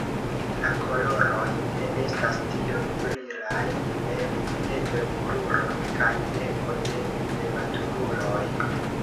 La koloroj ne estas tiom brilaj en piedoj, kruroj kaj beko de nematuruloj.